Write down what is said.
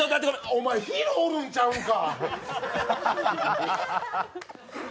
お前、ヒルおるんちゃうんか！